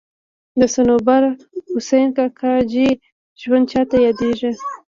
د صنوبر حسین کاکاجي ژوند چاته یادېږي.